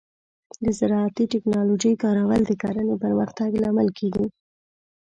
د زراعتي ټیکنالوجۍ کارول د کرنې پرمختګ لامل کیږي.